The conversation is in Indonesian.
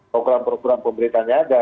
program program pemerintahnya ada